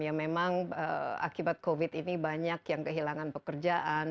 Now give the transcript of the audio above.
ya memang akibat covid ini banyak yang kehilangan pekerjaan